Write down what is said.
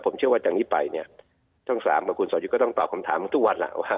ผมเชื่อว่าจังงี้ไปช่อง๓คุณก็ต้องตอบคำถามทุกวัน